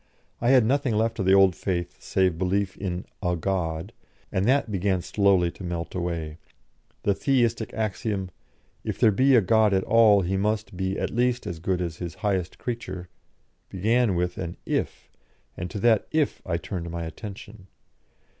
I had nothing left of the old faith save belief in "a God," and that began slowly to melt away. The Theistic axiom: "If there be a God at all He must be at least as good as His highest creature," began with an "if," and to that "if" I turned my attention.